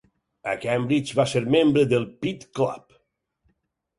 A Cambridge va ser membre del Pitt Club.